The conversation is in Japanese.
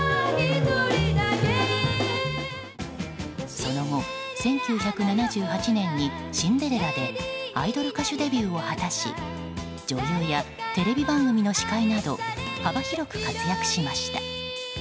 その後、１９７８年に「シンデレラ」でアイドル歌手デビューを果たし女優やテレビ番組の司会など幅広く活躍しました。